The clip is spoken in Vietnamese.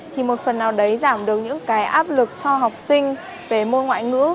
thì một phần nào đấy giảm được những cái áp lực cho học sinh về môn ngoại ngữ